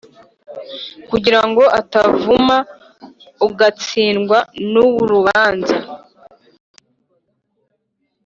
kugira ngo atakuvuma ugatsindwa n’urubanza